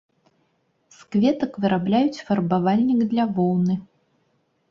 З кветак вырабляюць фарбавальнік для воўны.